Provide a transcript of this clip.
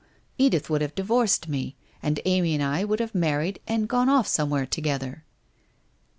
Edith would have divorced me, and Amy and I would have mar ried and gone off somewhere together.'